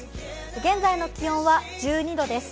現在の気温は１２度です。